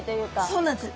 そうなんです。